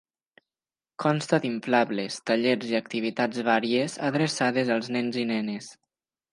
Consta d'inflables, tallers i activitats vàries adreçades als nens i nenes.